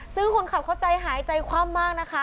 ซึ่งคนขับเขาใจหายใจคว่ำมากนะคะ